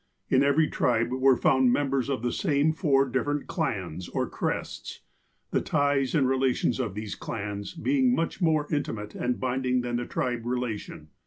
In every tribe were found members of the same four different clans or crests, the ties and relations of these clans being much more in timate and binding than the tribe relation.